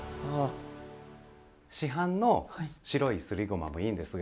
市販の白いすりごまもいいんですが。